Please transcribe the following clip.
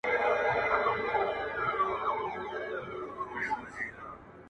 یتیمان یې کړې ښارونه په ماړه وږي کارګان کې٫